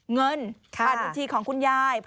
เงินภารณาบัญชีของคุณยาย